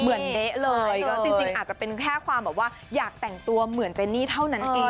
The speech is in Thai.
เด๊ะเลยก็จริงอาจจะเป็นแค่ความแบบว่าอยากแต่งตัวเหมือนเจนี่เท่านั้นเอง